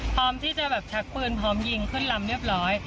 พร้อมที่จะแบบชักปืนพร้อมยิงขึ้นลำเรียบร้อย